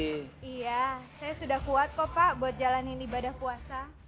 iya saya sudah kuat kok pak buat jalanin ibadah puasa